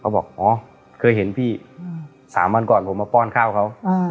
เขาบอกอ๋อเคยเห็นพี่อืมสามวันก่อนผมมาป้อนข้าวเขาอ่า